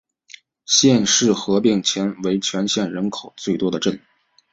县市合并前为全县人口最多的镇。